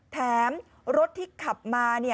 แถมรถที่ขับมา